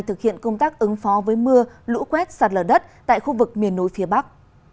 thực hiện công tác ứng phó với mưa lũ quét sạt lở đất tại khu vực miền núi phía bắc